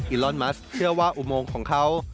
อลอนมัสเชื่อว่าอุโมงของเขา